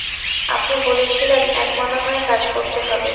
আপনি বলেছিলেন একমনা হয়ে কাজ করতে হবে।